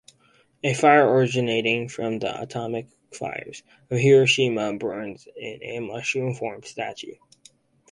A fire originating from the atomic fires of Hiroshima burns in a mushroom-formed statue.